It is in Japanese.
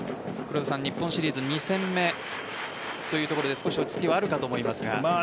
日本シリーズ２戦目というところで少し落ち着きはあると思いますが。